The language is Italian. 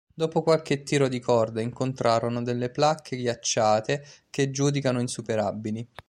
Dopo qualche tiro di corda incontrano delle placche ghiacciate che giudicano insuperabili.